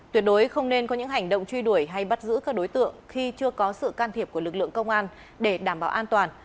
tuyệt đối không nên có những hành động truy đuổi hay bắt giữ các đối tượng khi chưa có sự can thiệp của lực lượng công an để đảm bảo an toàn